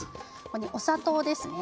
ここにお砂糖ですね。